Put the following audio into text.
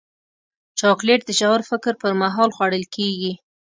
چاکلېټ د ژور فکر پر مهال خوړل کېږي.